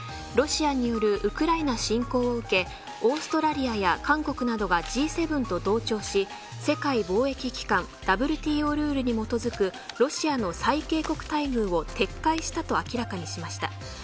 ロシアによるウクライナ侵攻を受け、オーストラリア韓国などがＧ７と同調し世界貿易機関ＷＴＯルールに基づくロシアの最恵国待遇を撤回したと明らかにしました。